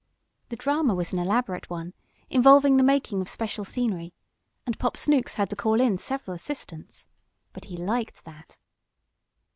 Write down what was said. The drama was an elaborate one, involving the making of special scenery, and Pop Snooks had to call in several assistants. But he liked that.